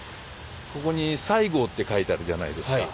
ここに「西郷」って書いてあるじゃないですか。